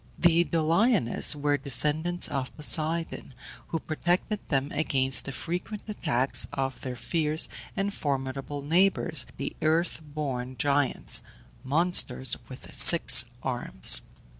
The Doliones were descendants of Poseidon, who protected them against the frequent attacks of their fierce and formidable neighbours, the earth born Giants monsters with six arms.